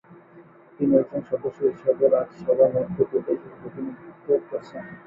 তিনি একজন সদস্য হিসেবে রাজ্যসভায় মধ্য প্রদেশের প্রতিনিধিত্ব করেছেন।